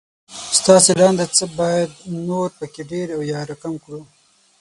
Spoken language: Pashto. ستاسې له انده څه بايد نور په کې ډېر او يا را کم کړو